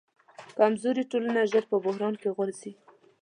کمزورې ټولنه ژر په بحران کې غورځي.